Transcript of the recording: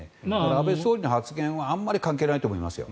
安倍総理の発言はあまり関係ないと思いますよ。